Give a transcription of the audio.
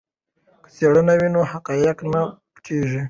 که څېړنه وي نو حقایق نه پټیږي.